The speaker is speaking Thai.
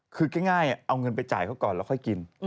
คือง่ายเอาเงินไปจ่ายเขาก่อนแล้วค่อยกิน